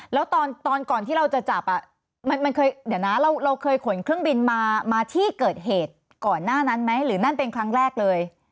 แล้วตอนก่อนที่เราจะจับมันเคยเดี๋ยวนะเราเคยขนเครื่องบินมาที่เกิดเหตุก่อนหน้านั้นไหมหรือนั่นเป็นครั้งแรกเลย